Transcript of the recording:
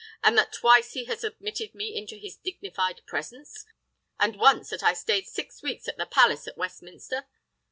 And that twice he has admitted me into his dignified presence? And once that I staid six weeks at the Palace at Westminster?